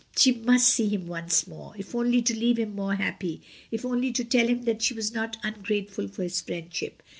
She must see him once more, if only to leave him more happy, if only to tell him that she was not ungrateful for his friendship.